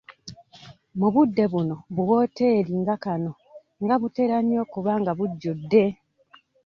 Mu budde buno bu wooteeri nga kano nga butera nnyo okuba nga bujjudde.